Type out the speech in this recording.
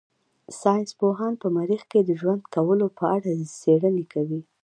ساينس پوهان په مريخ کې د ژوند کولو په اړه څېړنې کوي.